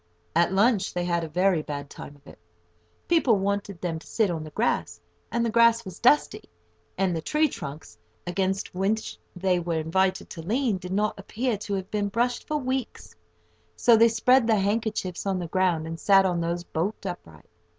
At lunch they had a very bad time of it. People wanted them to sit on the grass, and the grass was dusty; and the tree trunks, against which they were invited to lean, did not appear to have been brushed for weeks; so they spread their handkerchiefs on the ground and sat on those, bolt upright.